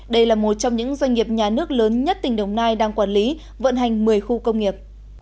đây là một trong những doanh nghiệp nhà nước lớn nhất tỉnh đồng nai đang quản lý vận hành một mươi khu công nghiệp